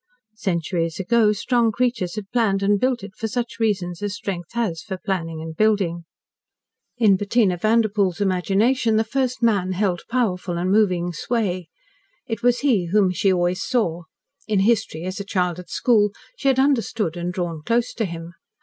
Centuries ago strong creatures had planned and built it for such reasons as strength has for its planning and building. In Bettina Vanderpoel's imagination the First Man held powerful and moving sway. It was he whom she always saw. In history, as a child at school, she had understood and drawn close to him.